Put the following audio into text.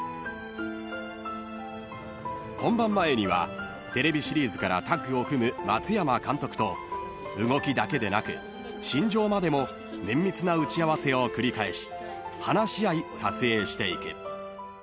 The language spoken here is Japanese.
［本番前にはテレビシリーズからタッグを組む松山監督と動きだけでなく心情までも綿密な打ち合わせを繰り返し話し合い撮影していく］